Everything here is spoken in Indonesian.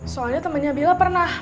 soalnya temennya bila pernah